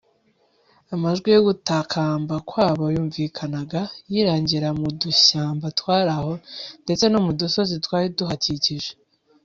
amajwi yo gutakamba kwabo yumvikanaga yirangira mu dushyamba twari aho ndetse no mu dusozi twari tuhakikije